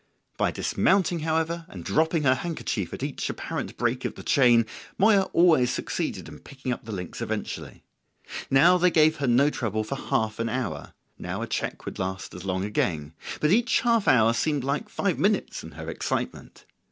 By dismounting, however, and dropping her handkerchief at each apparent break of the chain, Moya always succeeded in picking up the links eventually. Now they gave her no trouble for half an hour; now a check would last as long again; but each half hour seemed like five minutes in her excitement.